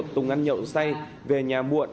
tùng ăn nhậu say về nhà muộn